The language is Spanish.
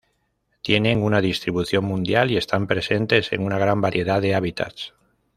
Tienen una distribución mundial y están presentes en una gran variedad de hábitats.